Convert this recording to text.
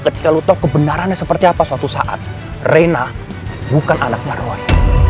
ketika lu tahu kebenarannya seperti apa suatu saat reina bukan anaknya roy